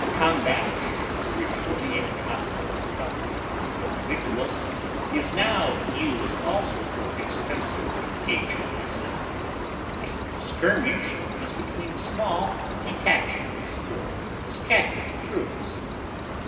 Combat, originally a hostile encounter between individuals, is now used also for extensive engagements. A skirmish is between small detachments or scattered troops.